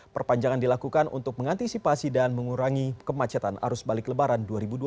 perpanjangan dilakukan untuk mengantisipasi dan mengurangi kemacetan arus balik lebaran dua ribu dua puluh